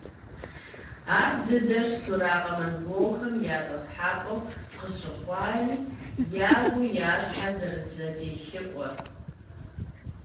Ар дыдэрщ Тукъарэ монголхэм я тӏасхъапӏэу къыщыхъуари, ягу-я щхьэр зэрызэтелъыӏуэр.